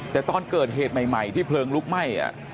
แต่ตอนเกิดเหตุใหม่ที่เพลิงลุกไหม้